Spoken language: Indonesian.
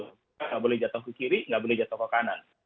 tidak boleh jatuh ke kiri nggak boleh jatuh ke kanan